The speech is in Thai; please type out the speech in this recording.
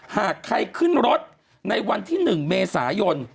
หากใครขึ้นรถในวันที่๑เมษายน